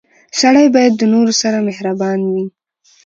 • سړی باید د نورو سره مهربان وي.